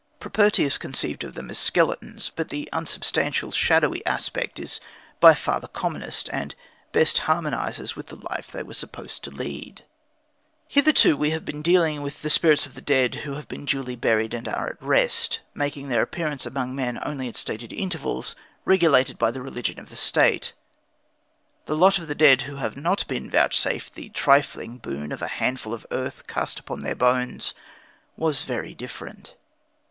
Propertius conceived of them as skeletons; but the unsubstantial, shadowy aspect is by far the commonest, and best harmonizes with the life they were supposed to lead. Hitherto we have been dealing with the spirits of the dead who have been duly buried and are at rest, making their appearance among men only at stated intervals, regulated by the religion of the State. The lot of the dead who have not been vouchsafed the trifling boon of a handful of earth cast upon their bones was very different.